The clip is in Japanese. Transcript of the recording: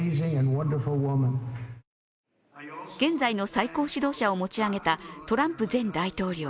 現在の最高指導者を持ち上げたトランプ前大統領。